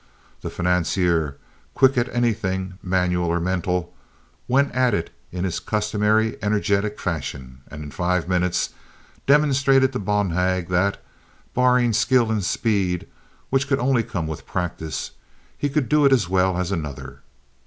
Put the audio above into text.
The financier, quick at anything, manual or mental, went at it in his customary energetic fashion, and in five minutes demonstrated to Bonhag that, barring skill and speed, which could only come with practice, he could do it as well as another.